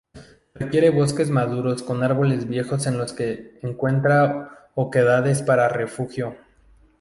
Requiere bosques maduros con árboles viejos en los que encuentra oquedades para refugio.